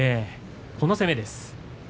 この攻めですね。